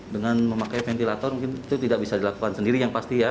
dengan memakai ventilator mungkin itu tidak bisa dilakukan sendiri yang pasti ya